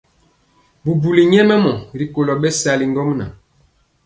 Bubuli nyɛmemɔ rikolo bɛsali ŋgomnaŋ.